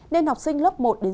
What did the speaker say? nên học sinh lớp một sáu